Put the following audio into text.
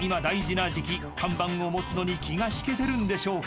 ［看板を持つのに気が引けてるんでしょうか］